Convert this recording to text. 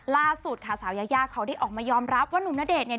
ล่าสุดค่ะสาวยายาเขาได้ออกมายอมรับว่าหนุ่มณเดชน์เนี่ย